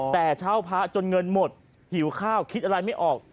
แต่เช่าพระจนเงินหมดหิวข้าวคิดอะไรไม่ออก